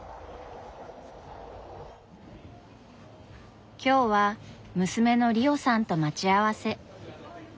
今日は娘のリオさんと待ち合わせ。